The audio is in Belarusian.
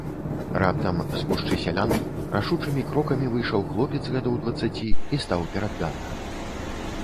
Раптам з гушчы сялян рашучымі крокамі выйшаў хлопец гадоў дваццаці і стаў перад ганкам.